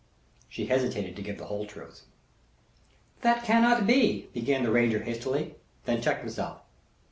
She hesitated to give the whole truth. "That cannot be," began the Ranger, hastily; then checked himself.